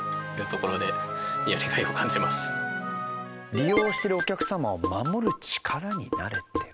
利用してるお客様を守る力になれてる。